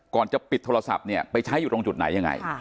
ก่อนจะปิดโทรศัพท์เนี่ยไปใช้อยู่ตรงจุดไหนยังไง